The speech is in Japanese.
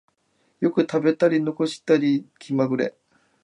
よく食べたり残したり気まぐれ